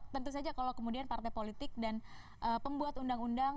tentu saja kalau kemudian partai politik dan pembuat undang undang